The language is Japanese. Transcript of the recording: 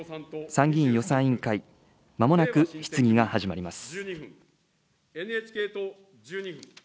参議院予算委員会、まもなく質疑が始まります。